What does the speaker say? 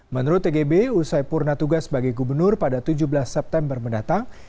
menurut tgb usai purna tugas sebagai gubernur pada tujuh belas september mendatang